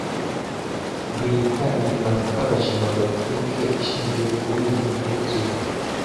biyita Ibimanuka, bashinga politike ishingiye kur'ibi bikurikira